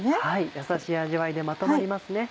優しい味わいでまとまりますね。